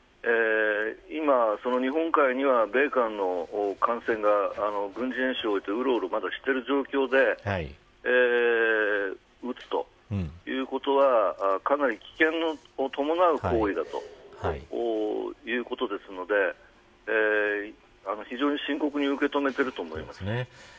今、日本海には米韓の艦船が軍事演習を終えてまだ、うろうろしている状況で撃つということはかなり危険を伴う行為だということですので非常に深刻に受け止めていると思います。